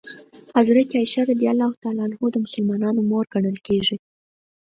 حضرت عایشه رض د مسلمانانو مور ګڼل کېږي.